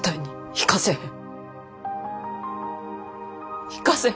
行かせへん。